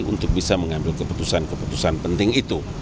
untuk bisa mengambil keputusan keputusan penting itu